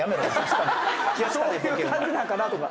そういう感じなんかなとか。